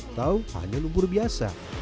atau hanya lumpur biasa